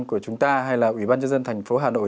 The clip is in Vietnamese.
của chúng ta hay là ủy ban nhân dân thành phố hà nội